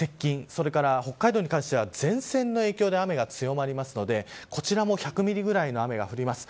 それから、北海道に関しては前線の影響で雨が強まりますのでこちらも１００ミリぐらいの雨が降ります。